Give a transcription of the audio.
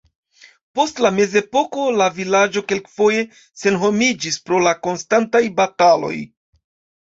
Post la mezepoko la vilaĝo kelkfoje senhomiĝis pro la konstantaj bataloj.